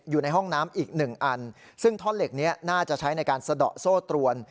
อยู่ในห้องน้ำอีกหนึ่งอันซึ่งท่อนเหล็กนี้น่าจะใช้ในการสะดอกโซ่ตรวน